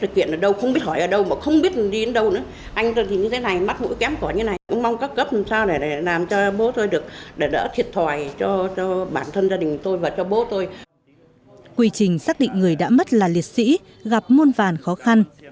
quy trình xác định người đã mất là liệt sĩ gặp muôn vàn khó khăn